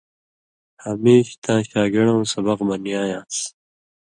ہمیش تاں شاگِڑؤں سبق بنیایان٘س